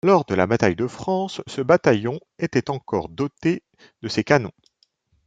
Lors de la Bataille de France, ce bataillon était encore doté de ces canons.